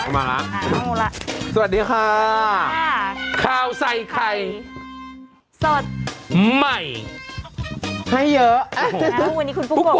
มาแล้วสวัสดีค่ะข่าวใส่ไข่สดใหม่ให้เยอะวันนี้คุณฟุกก่อ